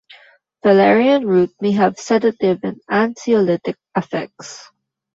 Valerian root may have sedative and anxiolytic effects.